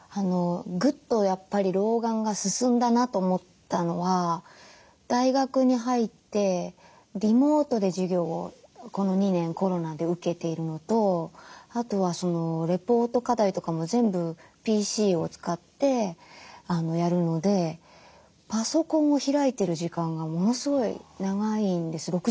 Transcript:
ぐっとやっぱり老眼が進んだなと思ったのは大学に入ってリモートで授業をこの２年コロナで受けているのとあとはレポート課題とかも全部ＰＣを使ってやるのでパソコンを開いてる時間がものすごい長いんです。